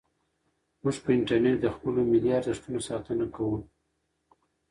موږ په انټرنیټ کې د خپلو ملي ارزښتونو ساتنه کوو.